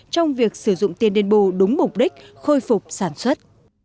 trong việc sử dụng tiền đền bù đúng mục đích khôi phục sản xuất